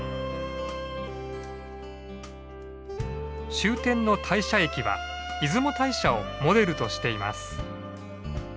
終点の大社駅は出雲大社をモデルとしています。